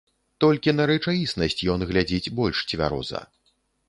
Толькі на рэчаіснасць ён глядзіць больш цвяроза.